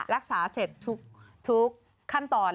รักษาเสร็จทุกขั้นตอน